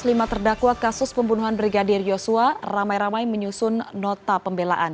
lima terdakwa kasus pembunuhan brigadir yosua ramai ramai menyusun nota pembelaan